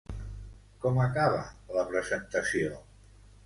Com acaba la presentació?